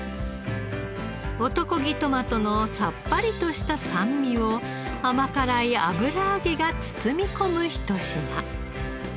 男気トマトのさっぱりとした酸味を甘辛い油揚げが包み込むひと品。